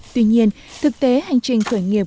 tuy nhiên thực tế hành trình khởi nghiệp